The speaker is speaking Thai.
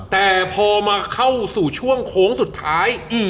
แต่พอมาเข้าสู่ช่วงโค้งสุดท้าย